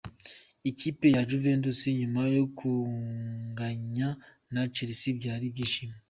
Ikipe ya Juventus nyuma yo kunganya na Chelsea byari ibyishimo.